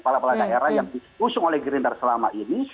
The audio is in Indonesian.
kepala kepala daerah yang diusung oleh gerindra selama ini